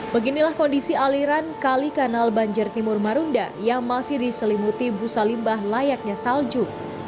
beginilah kondisi aliran kali kanal banjir timur marunda yang masih diselimuti busa limbah layaknya salju